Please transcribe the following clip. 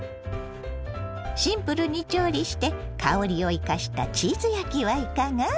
シンプルに調理して香りを生かしたチーズ焼きはいかが？